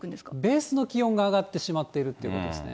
ベースの気温が上がってしまっているということですね。